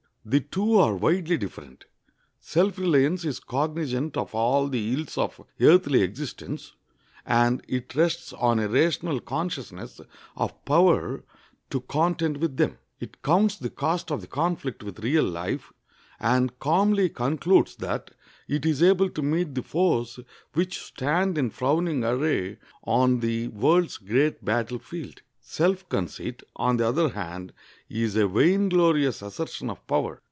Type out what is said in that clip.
The two are widely different. Self reliance is cognizant of all the ills of earthly existence, and it rests on a rational consciousness of power to contend with them. It counts the cost of the conflict with real life, and calmly concludes that it is able to meet the foes which stand in frowning array on the world's great battle field. Self conceit, on the other hand, is a vainglorious assertion of power.